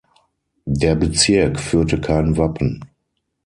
Der Bezirk führte kein Wappen.